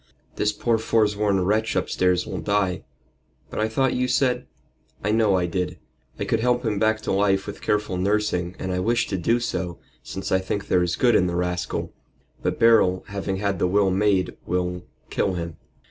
This poor foresworn wretch upstairs will die." "But I thought you said " "I know I did. I could help him back to life with careful nursing, and I wish to do so, since I think there is good in the rascal. But Beryl, having had the will made, will kill him.